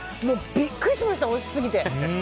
ビックリしました、おいしすぎて。